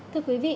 thưa quý vị